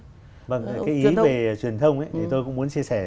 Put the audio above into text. cái ý về truyền thông thì tôi cũng muốn chia sẻ